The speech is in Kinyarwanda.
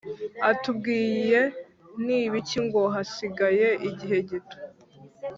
atubwiye ni ibiki ngo Hasigaye igihe gito